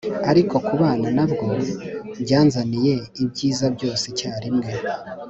Ariko kubana na bwo byanzaniye ibyiza byose icyarimwe,